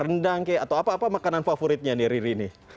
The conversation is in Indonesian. rendang atau apa apa makanan favoritnya nih riri